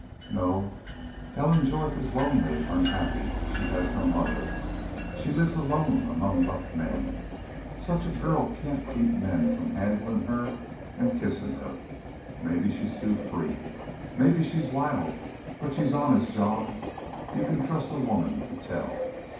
"No. Ellen Jorth is lonely, unhappy. She has no mother. She lives alone among rough men. Such a girl can't keep men from handlin' her and kissin' her. Maybe she's too free. Maybe she's wild. But she's honest, Jean. You can trust a woman to tell.